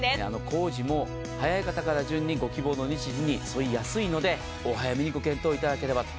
工事も早い方から順にご希望の日時に沿いやすいのでお早めにご検討いただければと。